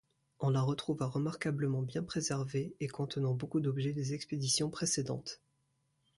On la retrouva remarquablement bien préservée et contenant beaucoup d'objets des expéditions précédentes.